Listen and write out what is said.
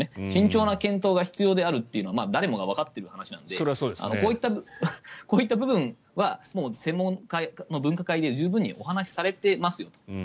慎重な検討が必要であるというのは誰もがわかっている話なのでこういった部分は専門家の分科会で十分にお話しされてますよと。